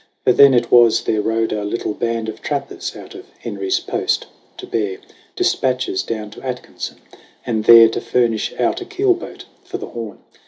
For then it was there rode a little band Of trappers out of Henry's Post, to bear Dispatches down to Atkinson, and there To furnish out a keelboat for the Horn.